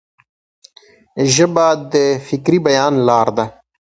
ژبه د فکري بیان لار ده.